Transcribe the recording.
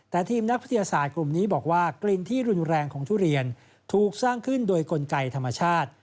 แต่ทีมนักวิทยาศาสตร์กลุ่มนี้บอกว่ากลิ่นที่รุนแรงของทุเรียนถูกสร้างขึ้นโดยกลไกธรรมชาติ